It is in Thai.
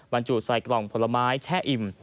บรรจุใส่กล่องผลไม้แช่อิ่ม